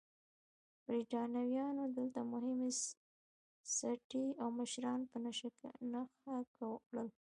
برېټانویانو دلته مهمې سټې او مشران په نښه کړل.